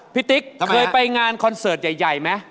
ติ๊กเคยไปงานคอนเสิร์ตใหญ่ไหม